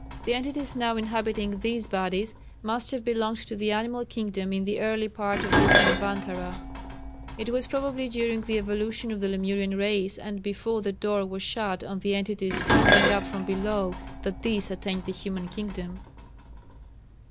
The entities now inhabiting these bodies must have belonged to the animal kingdom in the early part of this Manvantara. It was probably during the evolution of the Lemurian race and before the "door was shut" on the entities thronging up from below, that these attained the human kingdom.